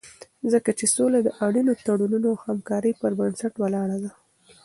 ځکه چې سوله د اړینو تړونونو او همکارۍ پر بنسټ ولاړه ده.